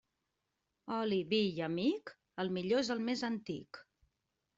Oli, vi i amic, el millor és el més antic.